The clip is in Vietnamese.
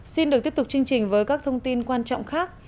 xin được tiếp tục chương trình với các thông tin quan trọng khác